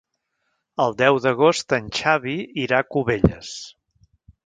El deu d'agost en Xavi irà a Cubelles.